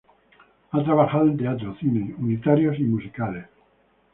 Ha trabajado en teatro, cine, unitarios y musicales.